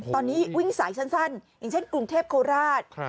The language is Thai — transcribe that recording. ตอนนี้วิ่งสายสั้นอย่างเช่นกรุงเทพโคราช